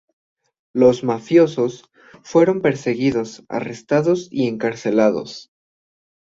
Los mafiosos fueron perseguidos, arrestados y encarcelados.